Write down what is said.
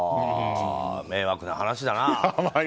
迷惑な話だな。